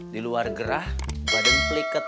di luar gerah badan peliket